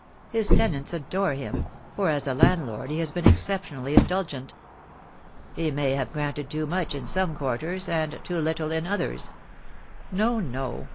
His tenants adore him — for as a landlord he has been exceptionally indulgent." "He may have granted too much in some quarters, and too little in others." "No, no.